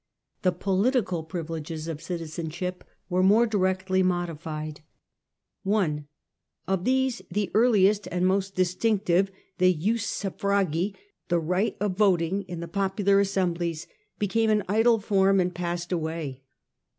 The political privileges of citizenship were more directly modified. 1. Of these the earliest and most distinctive, the right of voting in the popular assemblies, became an idle form and passed away.